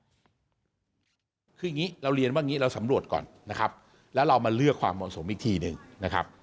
คืออย่างนี้เราเรียนว่าอย่างนี้เราสำรวจก่อนนะครับแล้วเรามาเลือกความเหมาะสมอีกทีหนึ่งนะครับ